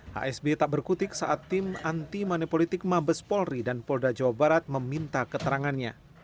hsb tak berkutik saat tim anti manipolitik mabes polri dan polda jawa barat meminta keterangannya